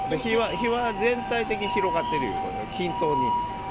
火は全体的に広がってるいうような均等に。